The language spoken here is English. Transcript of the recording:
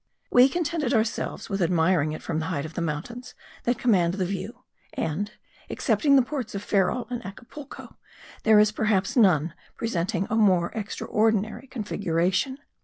We contented ourselves with admiring it from the height of the mountains that command the view; and, excepting the ports of Ferrol and Acapulco, there is perhaps none presenting a more extraordinary configuration.